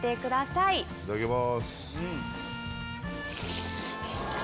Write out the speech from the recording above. いただきます。